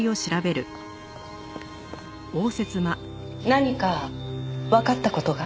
何かわかった事が？